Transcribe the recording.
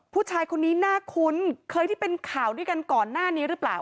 ผู้ชายคนนี้น่าคุ้นเคยที่เป็นข่าวด้วยกันก่อนหน้านี้หรือเปล่า